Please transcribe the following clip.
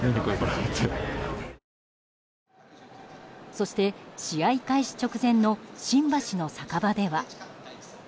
そして試合開始直前の新橋の酒場では。